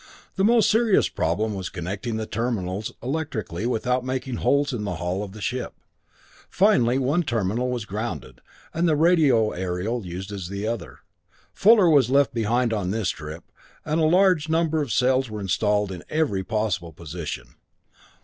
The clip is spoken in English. The most serious problem was connecting the terminals electrically without making holes in the hull of the ship. Finally one terminal was grounded, and the radio aerial used as the other. Fuller was left behind on this trip, and a large number of cells were installed in every possible position.